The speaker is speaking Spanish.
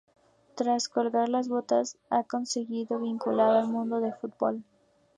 Tras colgar las botas, ha seguido vinculado al mundo del fútbol.